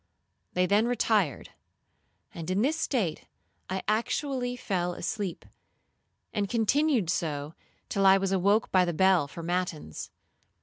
They then retired, and in this state I actually fell asleep, and continued so till I was awoke by the bell for matins.